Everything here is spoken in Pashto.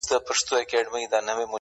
• د نېزو پر سر، سرونه -